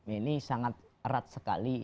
ini sangat erat sekali